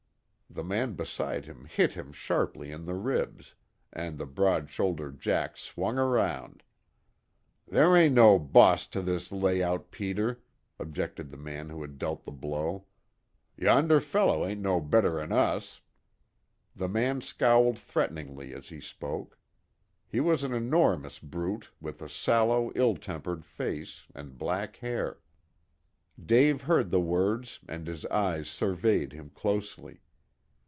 The man beside him hit him sharply in the ribs, and the broad shouldered "jack" swung round. "Ther' ain't no 'boss' to this layout, Peter," objected the man who had dealt the blow. "Yonder feller ain't no better'n us." The man scowled threateningly as he spoke. He was an enormous brute with a sallow, ill tempered face, and black hair. Dave heard the words and his eyes surveyed him closely.